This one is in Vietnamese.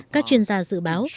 các chuyên gia dự báo